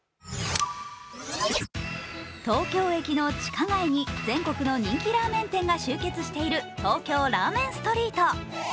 東京駅の地下街に全国の人気ラーメン店が集結している東京ラーメンストリート。